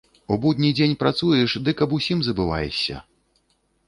У будні дзень працуеш, дык аб усім забываешся.